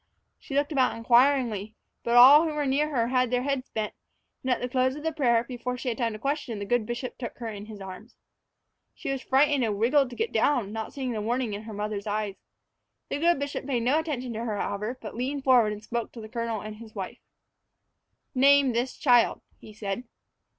She looked about inquiringly, but all who were near her had their heads bent; and at the close of the prayer, before she had time to question, the good bishop took her into his arms. She was frightened and wriggled to get down, not seeing the warning in her mother's eyes. The good bishop paid no attention to her, however, but leaned forward and spoke to the colonel and his wife. "Name this child," he said.